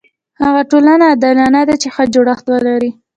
هغه ټولنه عادلانه ده چې ښه جوړښت ولري.